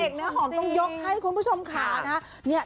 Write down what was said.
เนื้อหอมต้องยกให้คุณผู้ชมขานะ